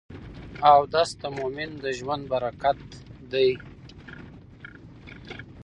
اودس د مؤمن د ژوند برکت دی.